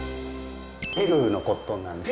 ペルーのコットンなんです。